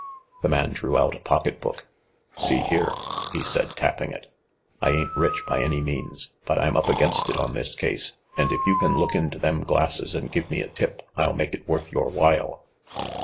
The man drew out a pocketbook. "See here," he said, tapping it, "I ain't rich by any means ; but I'm up against it on this case, and if you can look into them glasses and give me a tip, I'll make it worth your while."